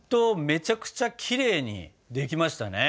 めちゃくちゃきれいにできましたね。